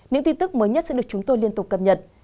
những tin tức mới nhất sẽ được chúng tôi liên tục cập nhật